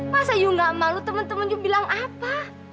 masa you gak malu temen temen you bilang apa